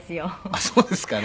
「あっそうですかね」